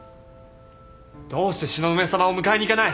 どうして東雲さまを迎えに行かない。